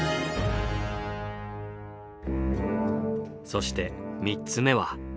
そして３つ目は。